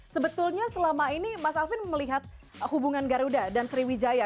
sebetulnya selama ini mas alvin melihat hubungan garuda dan sriwijaya